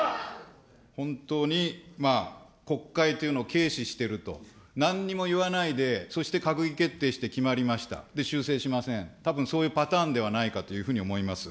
本当に国会というのを軽視してると、なんにも言わないで、そして閣議決定して決まりました、で、修正しません、そういうパターンではないかと思います。